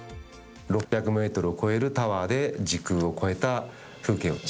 ６００ｍを超えるタワーで時空を超えた風景を。